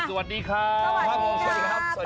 สวัสดีครับสวัสดีครับสวัสดีครับสวัสดีครับสวัสดีครับ